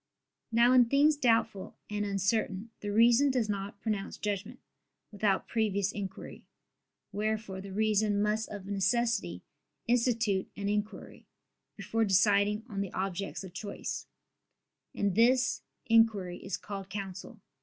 Now in things doubtful and uncertain the reason does not pronounce judgment, without previous inquiry: wherefore the reason must of necessity institute an inquiry before deciding on the objects of choice; and this inquiry is called counsel.